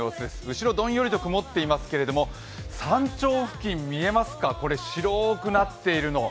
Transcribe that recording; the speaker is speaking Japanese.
後ろどんよりと曇っていますけれども山頂付近見えますか、これ、白くなっているの。